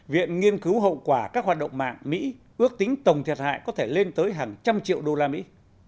viện nghiên cứu hậu quả các hoạt động mạng mỹ ước tính tổng thiệt hại có thể lên tới hàng trăm triệu đô la mỹ